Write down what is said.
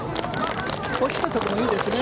落ちたところもいいですね